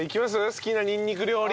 好きなにんにく料理。